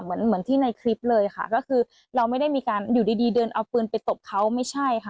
เหมือนเหมือนที่ในคลิปเลยค่ะก็คือเราไม่ได้มีการอยู่ดีดีเดินเอาปืนไปตบเขาไม่ใช่ค่ะ